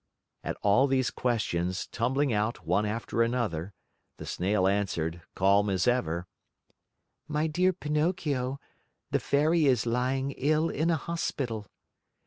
At all these questions, tumbling out one after another, the Snail answered, calm as ever: "My dear Pinocchio, the Fairy is lying ill in a hospital."